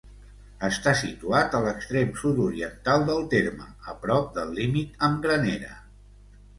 Està situat a l'extrem sud-oriental del terme, a prop del límit amb Granera.